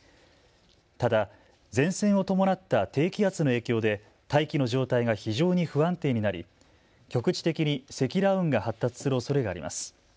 ただ前線を伴った低気圧の影響で大気の状態が非常に不安定になり局地的に積乱雲が発達するおそれがあります。